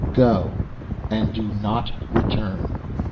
"Go, and do not return."